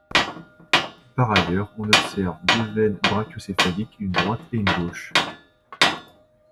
Par ailleurs, on observe deux veines brachiocéphaliques, une droite et une gauche.